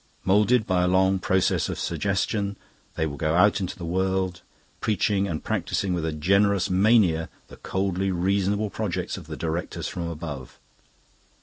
Moulded by a long process of suggestion, they will go out into the world, preaching and practising with a generous mania the coldly reasonable projects of the Directors from above.